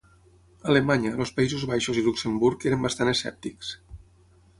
Alemanya, els Països Baixos i Luxemburg eren bastant escèptics.